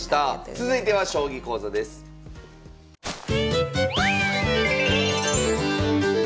続いては将棋講座です。